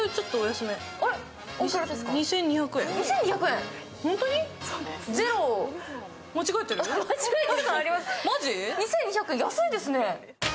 ２２００円、安いですね。